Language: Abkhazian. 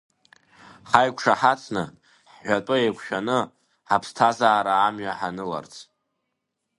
Ҳаиқәшаҳаҭханы, ҳҳәатәы еиқәшәаны, ҳаԥсҭазаара амҩа ҳаныларц.